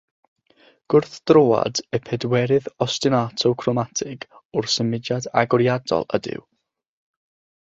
Gwrthdroad y pedwerydd ostinato cromatig o'r symudiad agoriadol ydyw.